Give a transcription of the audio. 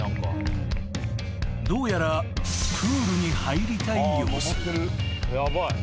［どうやらプールに入りたい様子］